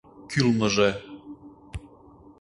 Кӱлмыжӧ...